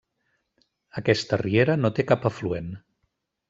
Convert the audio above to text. Aquesta riera no té cap afluent.